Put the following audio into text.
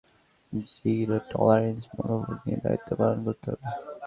তাই শিশুহত্যাকারীদের ব্যাপারে zero tolerance মনোভাব নিয়ে দায়িত্ব পালন করতে হবে।